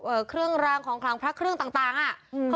เครื่องรางของขลังพระเครื่องต่างต่างอ่ะอืม